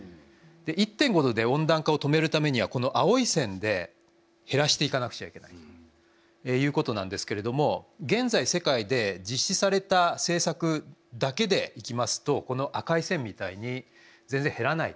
１．５℃で温暖化を止めるためにはこの青い線で減らしていかなくちゃいけないということなんですけれども現在世界で実施された政策だけでいきますとこの赤い線みたいに全然減らない。